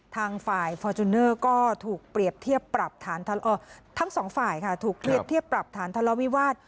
ทางฝ่ายฟอร์จุนเนอร์ถูกเปรียบเทียบปรับฐานวิวาส